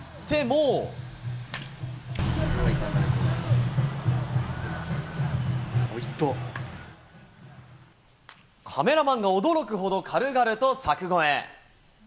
うわぁ、カメラマンが驚くほど、軽々と柵越え。